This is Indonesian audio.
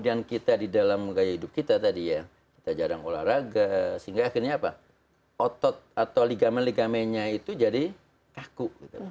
kemudian kita di dalam gaya hidup kita tadi ya kita jarang olahraga sehingga akhirnya apa otot atau ligamen ligamennya itu jadi kaku